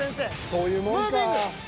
そういうもんか。